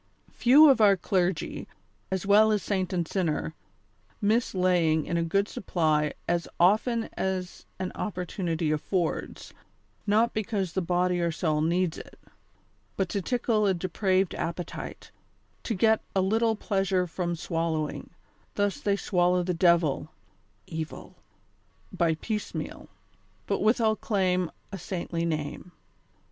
Few of our clergy, as well as saint and sinner, miss lay ing in a good supply as often as an opportunity affords, THE co^'SPI^vATO^vS axd lovers. 145 not because the body or soul needs it ; but to tickle a de praved appetite, to get a little pleasure from swallowing ; thus they swallow the devil (evil) by piece meal, but withal claim a saintly name.